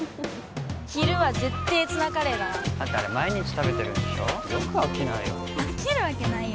昼はぜってーツナカレーだなだってあれ毎日食べてるんでしょよく飽きないよね飽きるわけないよ